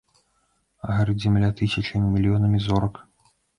Гарыць зямля тысячамі, мільёнамі зорак.